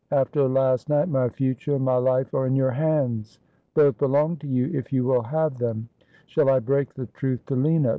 After last night, my future, my life, are in your hands. Both belong to you if you Avill have them. Shall I break the truth to Lina